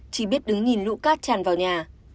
chị biết đứng nhìn lũ cát tràn vào nhà